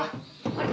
あれ？